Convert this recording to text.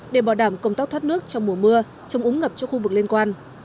để bảo đảm công tác thoát nước trong mùa mưa chống úng ngập cho khu vực liên quan